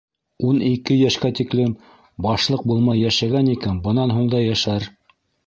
Ун ике йәшкә тиклем башлыҡ булмай йәшәгән икән, бынан һуң да йәшәр.